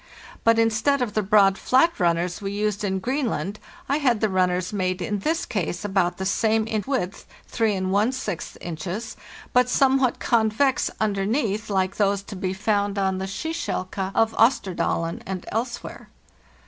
But instead of the broad, flat runners we used in Greenland, I had the runners made in this case about the same in width (3! inches), but somewhat convex underneath, like those to be found on the "skikjelke" of Osterdalen and elsewhere.